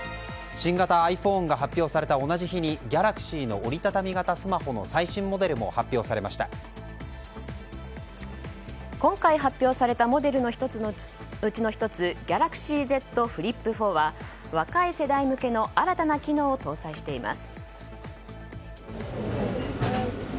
新型ｉＰｈｏｎｅが発表された同じ日にＧａｌａｘｙの折り畳みスマホの今回発表されたモデルのうちの１つＧａｌａｘｙＺＦｌｉｐ４は若い世代向けの新たな機能を搭載しています。